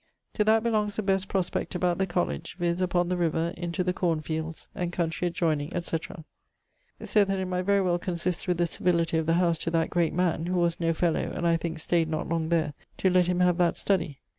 To that belongs the best prospect about the colledge, viz. upon the river, into the corne fields, and countrey adjoyning, etc.; ☞ so that it might very well consist with the civility of the House to that great man (who was no fellow, and I think stayed not long there) to let him have that study.